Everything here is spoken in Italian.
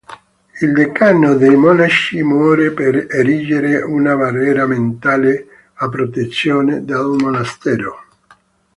Il decano dei monaci muore per erigere una barriera mentale a protezione del monastero.